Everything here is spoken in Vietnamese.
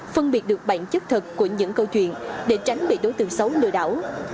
phân biệt được bản chất thật của những câu chuyện để tránh bị đối tượng xấu lừa đảo